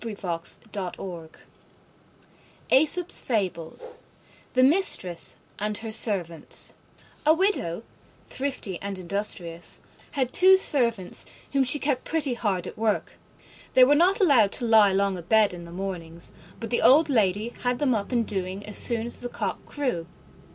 Persuasion is better than force THE MISTRESS AND HER SERVANTS A Widow, thrifty and industrious, had two servants, whom she kept pretty hard at work. They were not allowed to lie long abed in the mornings, but the old lady had them up and doing as soon as the cock crew.